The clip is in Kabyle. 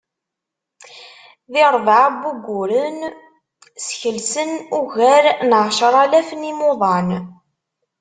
Di rebɛa n wugguren, skelsen ugar n ɛecralaf n yimuḍan.